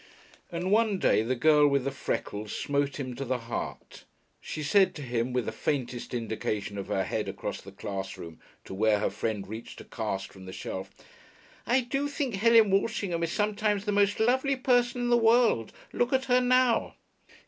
And one day the girl with the freckles smote him to the heart. She said to him, with the faintest indication of her head across the class room to where her friend reached a cast from the shelf, "I do think Helen Walshingham is sometimes the most lovely person in the world. Look at her now!"